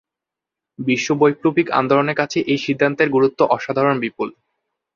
বিশ্ব বৈপ্লবিক আন্দোলনের কাছে এ সিদ্ধান্তের গুরুত্ব অসাধারণ বিপুল।